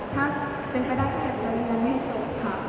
ถ้าเป็นไปได้ก็แบบย้อนเงินให้จบค่ะ